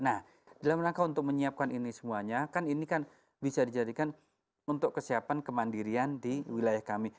nah dalam rangka untuk menyiapkan ini semuanya kan ini kan bisa dijadikan untuk kesiapan kemandirian di wilayah kami